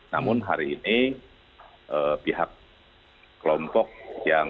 namun hari ini pihak kelompok yang